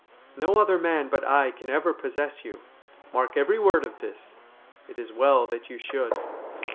No other man but I can ever possess you. Mark every word of this. It is well that you should.'